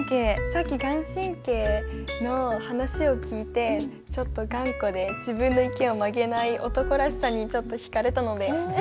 さっき顔真の話を聞いてちょっと頑固で自分の意見を曲げない男らしさにちょっと引かれたので。